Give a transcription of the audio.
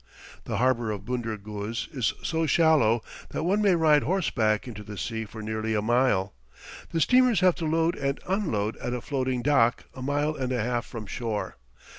The harbor of Bunder Guz is so shallow that one may ride horseback into the sea for nearly a mile. The steamers have to load and unload at a floating dock a mile and a half from shore.